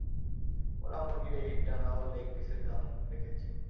ওরা মুরগীর এই ডানা ও লেগ পিসের দাম রেখেছে।